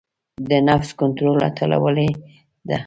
د نفس کنټرول اتلولۍ ده.